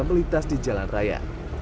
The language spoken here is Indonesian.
melintas di jalan raya